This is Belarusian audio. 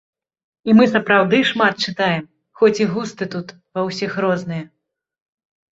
І мы сапраўды шмат чытаем, хоць і густы тут ва ўсіх розныя.